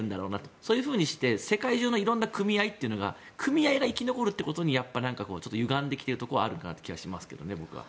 そういうふうにして世界中の色んな組合が組合が生き残ることにゆがんできているところはあるかなと思いますけどね。